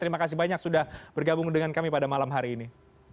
terima kasih banyak sudah bergabung dengan kami pada malam hari ini